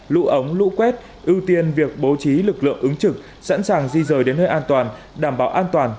lũ ống lũ quét ưu tiên việc bố trí lực lượng ứng trực sẵn sàng di rời đến nơi an toàn đảm bảo an toàn